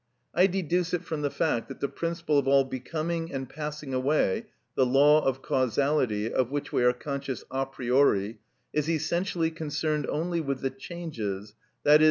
I deduce it from the fact that the principle of all becoming and passing away, the law of causality, of which we are conscious a priori, is essentially concerned only with the changes, _i.e.